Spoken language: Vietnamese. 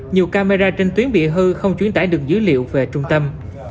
nhiều camera trên tuyến bị hư không chuyển tải được dữ liệu về trung tâm